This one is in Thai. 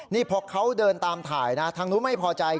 นี่พอเขาเดินตามถ่ายนะทางนู้นไม่พอใจ